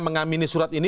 mengamini surat ini